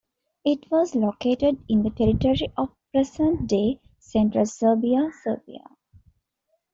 It was located in the territory of present-day Central Serbia, Serbia.